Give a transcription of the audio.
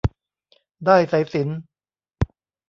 ด้ายสายสิญจน์